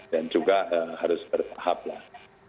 dan juga harus bertahap lah